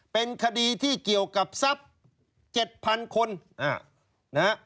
เป็นคดีที่เกี่ยวกับทรัพย์๗๐๐คนนะฮะ